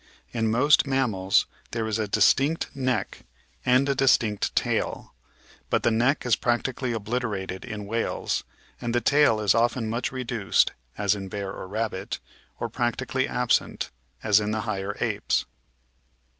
In most mammals there is a distinct neck and a distinct, tail, but the neck is prac tically obliterated in whales, and the tail is often much reduced ( as in bear and rabbit) or practically absent (as in the higher apes).